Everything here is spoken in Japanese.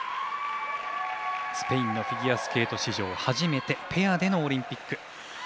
スペインのフィギュアスケート史上ペアでのオリンピック。